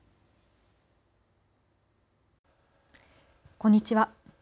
こんにちは。